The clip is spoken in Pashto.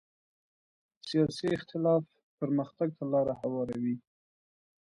سیاسي اختلاف پرمختګ ته لاره هواروي